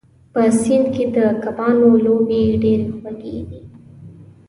په سیند کې د کبانو لوبې ډېرې خوږې دي.